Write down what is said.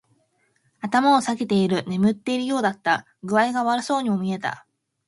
頭を下げている。眠っているようだった。具合が悪そうにも見えた。